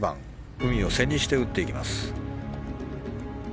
海を背にして打っていきます。